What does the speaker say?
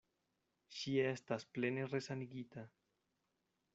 Ŝi estas plene resanigita.